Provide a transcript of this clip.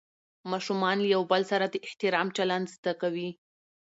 ماشومان له یو بل سره د احترام چلند زده کوي